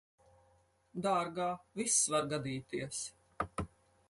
Dārgā, viss var gadīties.